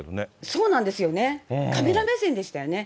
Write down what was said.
そうなんですよね、カメラ目線でしたよね。